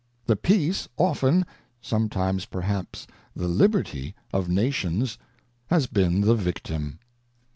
ŌĆö The peace often, some times perhaps the Liberty, of Nations has been the victim.